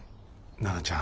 奈々ちゃん。